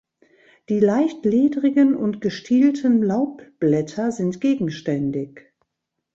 Die leicht ledrigen und gestielten Laubblätter sind gegenständig.